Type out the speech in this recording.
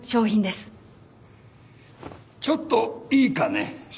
ちょっといいかね？